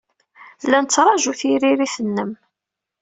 La nettṛaju tiririt-nnem.